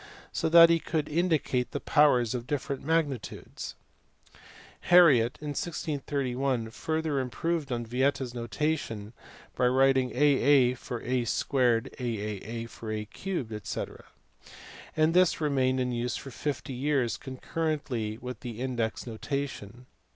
so that he could indicate the powers of different magnitudes (see p. 235); Harriot in 1631 further improved on Vieta s notation by writing aa for a 2 , aaa for a 3 . &c. (see p. 241), and this remained in use for fifty years concurrently with the index notation.